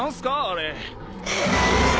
あれ。